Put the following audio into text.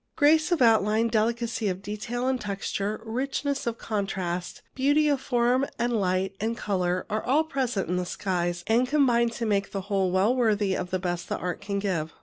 Grace of outline, delicacy of detail and texture, richness of contrast, beauty of form and light and colour, all are present in the skies, and combine to make a whole well worthy of the best that art can give.